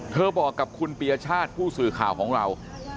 บอกกับคุณปียชาติผู้สื่อข่าวของเรา